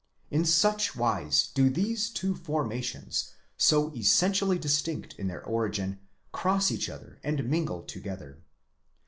In such wise do these two formations, so essentially distinct in their origin, cross each other and mingle together.